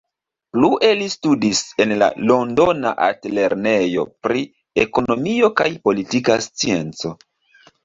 Plue li studis en la Londona Altlernejo pri Ekonomiko kaj Politika Scienco.